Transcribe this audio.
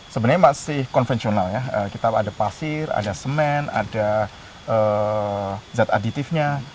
sebenarnya masih konvensional ya kita ada pasir ada semen ada zat aditifnya